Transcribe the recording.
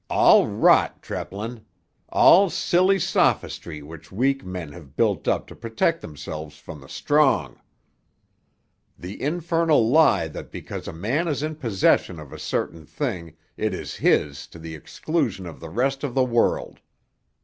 "All rot, Treplin; all silly sophistry which weak men have built up to protect themselves from the strong! The infernal lie that because a man is in possession of a certain thing it is his to the exclusion of the rest of the world!